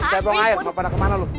kebong air mau pada kemana lu